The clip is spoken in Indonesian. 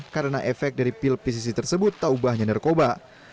karena efek dari pil pcc tersebut taubahnya narkoba